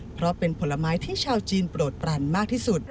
เพราะเป็นผลไม้ที่ชาวจีนโปรดปรันมากที่สุด